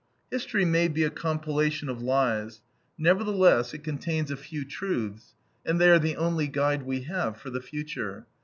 History may be a compilation of lies; nevertheless, it contains a few truths, and they are the only guide we have for the future.